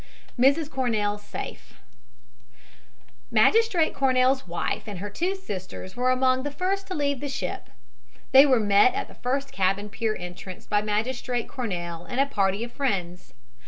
MRS. CORNELL SAFE Magistrate Cornell's wife and her two sisters were among the first to leave the ship. They were met at the first cabin pier entrance by Magistrate Cornell and a party of friends.